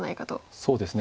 そうですね。